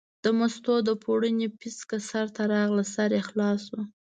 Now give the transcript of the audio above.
د مستو د پړوني پیڅکه سر ته راغله، سر یې خلاص شو.